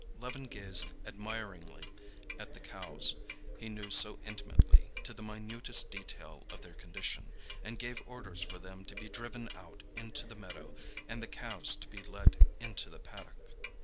Levin gazed admiringly at the cows he knew so intimately to the minutest detail of their condition, and gave orders for them to be driven out into the meadow, and the calves to be let into the paddock.